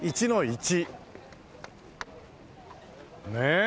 ねえ？